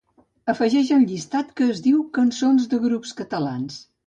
Afegeix el llistat que es diu "cançons de grups catalans".